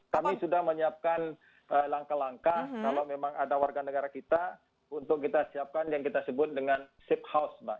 kami sudah menyiapkan langkah langkah kalau memang ada warga negara kita untuk kita siapkan yang kita sebut dengan safe house mbak